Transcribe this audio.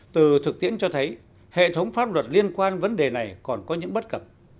từ thực tiễn cho thấy hệ thống pháp luật liên quan vấn đề này còn có những bất cập